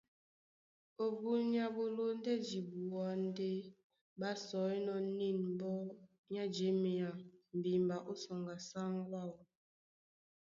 Ó búnyá ɓó lóndɛ́ dibuá ndé ɓá sɔínɔ̄ nîn mbɔ́ á jěmea mbimba ó sɔŋgɔ a sáŋgó áō.